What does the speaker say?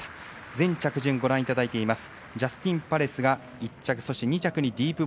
全着順ご覧いただいています。